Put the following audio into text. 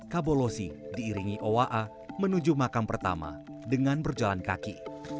kabolosi diiringi owa'a menuju makam pertama dengan berjalan kaki